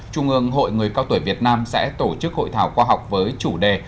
trung ương hội người cao tuổi việt nam sẽ tổ chức hội thảo khoa học với chủ đề